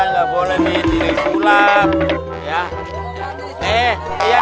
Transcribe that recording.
ya nggak boleh